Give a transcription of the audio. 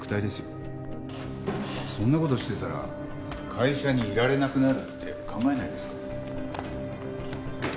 そんな事してたら会社にいられなくなるって考えないんですか？